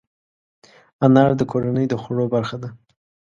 انار د کورنۍ د خوړو برخه ده.